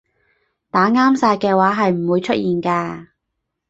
打啱晒嘅話係唔會出現㗎